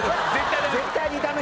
絶対にダメです。